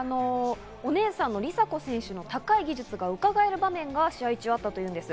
お姉さんの梨紗子選手の高い技術がうかがえる場面が、試合中にあったというんです。